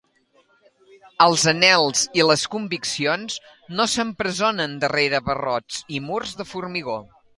Els anhels i les conviccions no s’empresonen darrere barrots i murs de formigó.